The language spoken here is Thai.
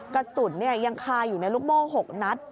กระสุนยังคาอยู่ในลูกโม่๖นัด